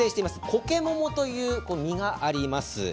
コケモモという実があります。